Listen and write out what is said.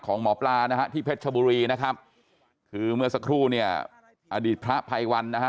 หมอปลานะฮะที่เพชรชบุรีนะครับคือเมื่อสักครู่เนี่ยอดีตพระภัยวันนะฮะ